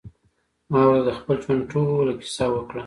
ما ورته د خپل ژوند ټوله کيسه وکړه.